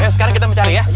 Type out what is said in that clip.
ayo sekarang kita mencari ya